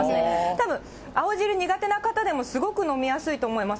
たぶん青汁苦手な方でも、すごく飲みやすいと思います。